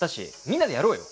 みんなでやろうよ！